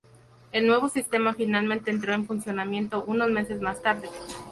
El nuevo sistema finalmente entró en funcionamiento unos meses más tarde.